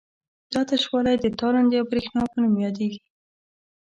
دا تشوالی د تالندې او برېښنا په نوم یادیږي.